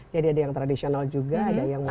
jadi ada yang tradisional juga ada yang modern juga